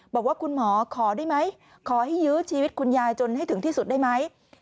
บอกว่าคุณหมอขอได้ไหมขอให้ยื้อชีวิตคุณยายจนให้ถึงที่สุดได้ไหม